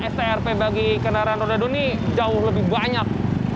strp bagi kendaraan roda dua ini jauh lebih banyak